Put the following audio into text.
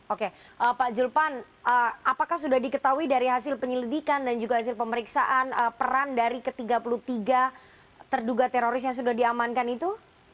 oke pak julpan apakah sudah diketahui dari hasil penyelidikan dan juga hasil pemeriksaan peran dari ke tiga puluh tiga terduga teroris yang sudah diamankan itu